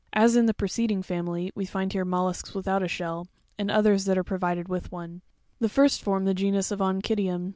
As in the preceding family, we find here mollusks without shell, and others that are provided with one: the first form the genus of Onchidium (fig.